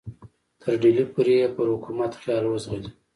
تر ډهلي پورې یې پر حکومت خیال وځغلي.